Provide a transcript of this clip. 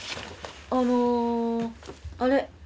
あのあれ。